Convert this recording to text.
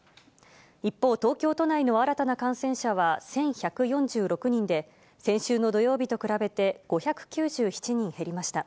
一方、東京都内の新たな感染者は１１４６人で、先週の土曜日と比べて５９７人減りました。